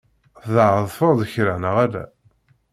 Tḍeεfeḍ-d kra, neɣ ala?